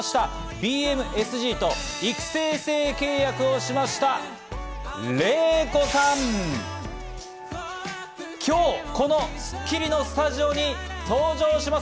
ＢＭＳＧと育成契約をしました、ＲＥＩＫＯさん、今日、『スッキリ』のスタジオに登場します。